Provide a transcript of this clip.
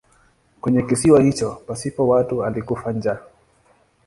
Kwenye kisiwa hicho pasipo watu alikufa njaa.